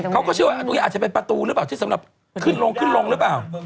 เขาก็เชื่อว่าตรงนี้อาจจะเป็นประตูหรือเปล่าที่สำหรับขึ้นลงขึ้นลงหรือเปล่า